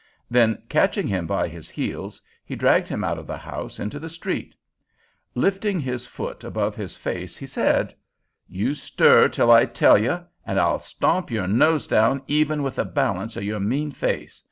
Then catching him by his heels, he dragged him out of the house into the street. Lifting his foot above his face, he said: "You stir till I tell you, an' I'll stomp your nose down even with the balance of your mean face.